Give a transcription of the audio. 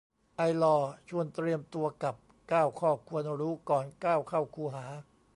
ไอลอว์ชวนเตรียมตัวกับ เก้าข้อควรรู้ ก่อนก้าวเข้าคูหา